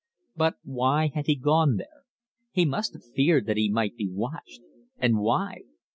But why had he gone there? He must have feared that he might be watched. And why?